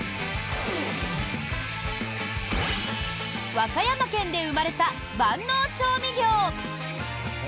和歌山県で生まれた万能調味料。